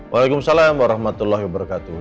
waalaikumsalam warahmatullahi wabarakatuh